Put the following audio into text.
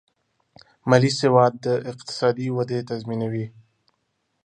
مالي سواد د اقتصادي ودې تضمینوي.